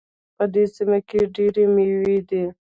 په دې سیمه کې ډېري میوې دي